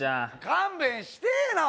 勘弁してえな